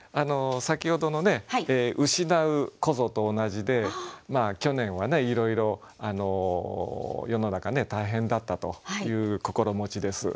先ほどのね「うしなう去年」と同じで去年はねいろいろ世の中ね大変だったという心持ちです。